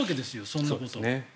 そんなこと。